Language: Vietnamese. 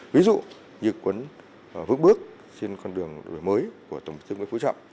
ví dụ như cuốn vước bước trên con đường đổi mới của tổng thống tư nguyễn phú trọng